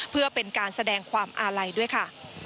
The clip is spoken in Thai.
เพื่อเป็นการแสดงความอาลัยด้วยค่ะ